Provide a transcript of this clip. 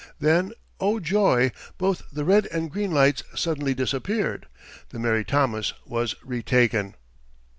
Then, oh joy! both the red and green lights suddenly disappeared. The Mary Thomas was retaken!